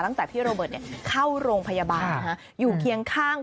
ตั้งแต่พี่โรเบิร์ตเข้าโรงพยาบาลอยู่เคียงข้าง